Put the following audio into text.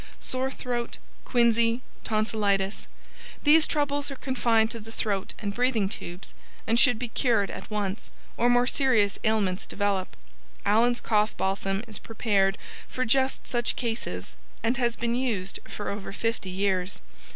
Sore Throat, Quinsy, Tonsilitis These troubles are confined to the throat and breathing tubes, and should be cured at once, or more serious ailments develop, Allen's Cough Balsam is prepared for just such cases and has been used for over 50 years.